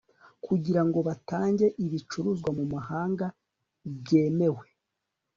kugira ngo batange ibicuruzwa mu mahanga byemewe